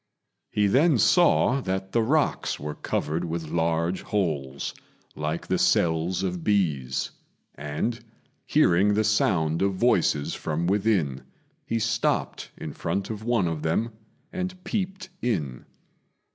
He then saw that the rocks were covered with large holes, like the cells of bees; and, hearing the sound of voices from within, he stopped in front of one of them and peeped in.